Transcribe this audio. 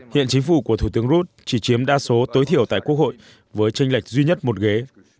hiện chính phủ của thủ tướng rút chỉ chiếm đa số tối thiểu tại quốc hội với tranh lệch duy nhất một ghế